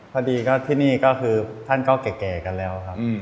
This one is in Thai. พอดีก็ที่นี่ก็คือท่านก็แก่กันแล้วครับ